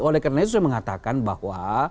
oleh karena itu saya mengatakan bahwa